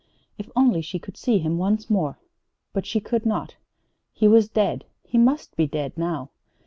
If only she could see him once more! But she could not. He was dead. He must be dead, now.